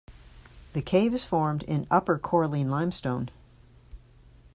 The cave is formed in upper coralline limestone.